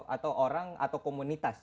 atau orang atau komunitas